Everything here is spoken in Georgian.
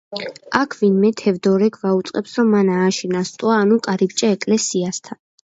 აქ ვინმე თევდორე გვაუწყებს, რომ მან ააშენა სტოა, ანუ კარიბჭე ეკლესიასთან.